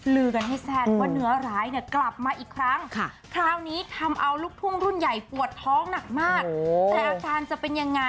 ลือกันให้แซนว่าเหนือร้ายกลับมาอีกครั้ง